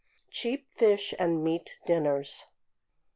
CHEAP FISH AND MEAT DINNERS.